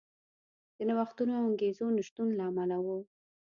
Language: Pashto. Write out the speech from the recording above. د نوښتونو او انګېزو نشتون له امله و.